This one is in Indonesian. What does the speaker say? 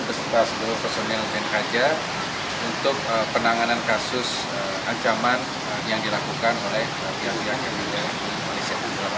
beserta sebuah personil band raja untuk penanganan kasus ancaman yang dilakukan oleh pihak pihak yang ada di indonesia